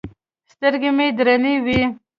سترګې مې درنې وې.